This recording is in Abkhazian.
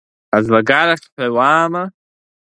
Аӡлагарахь ҳәа уаама?